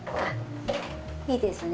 いいですね